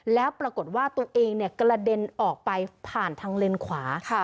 แล้วปรากฏว่าตัวเองกระเด็นออกไปผ่านทางเลนขวา